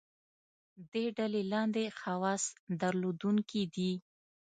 دې ډلې لاندې خواص درلودونکي دي.